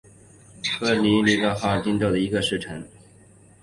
克尼格斯布吕克是德国萨克森州的一个市镇。